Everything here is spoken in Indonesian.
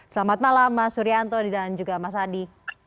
selamat malam mas suryanto dan juga mas adi